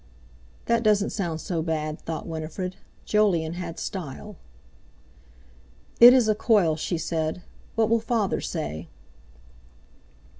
"That doesn't sound so bad," thought Winifred. "Jolyon had style." "It is a coil," she said. "What will father say?